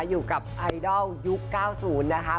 อยู่กับไอดอลยุค๙๐นะคะ